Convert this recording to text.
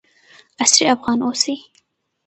عصري افغان اوسئ.